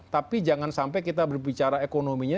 tapi jangan sampai kita berbicara ekonominya